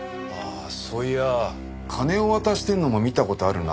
そういや金を渡してるのも見た事あるな。